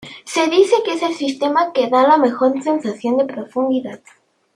Se dice que es el sistema que da la mejor sensación de profundidad.